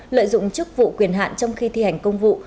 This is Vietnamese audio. lợi dụng chức vụ quyền hạn trong khi thi hành công vụ